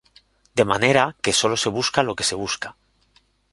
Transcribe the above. De manera que sólo se busca lo que se busca.